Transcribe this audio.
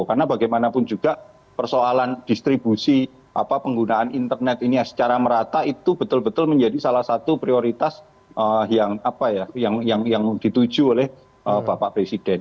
karena bagaimanapun juga persoalan distribusi penggunaan internet ini secara merata itu betul betul menjadi salah satu prioritas yang dituju oleh bapak presiden